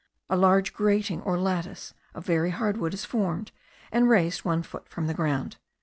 A little grating or lattice of very hard wood is formed, and raised one foot from the ground.